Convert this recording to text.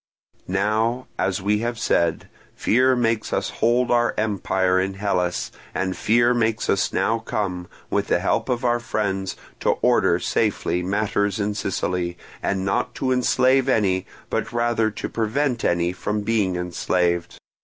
"Now, as we have said, fear makes us hold our empire in Hellas, and fear makes us now come, with the help of our friends, to order safely matters in Sicily, and not to enslave any but rather to prevent any from being enslaved.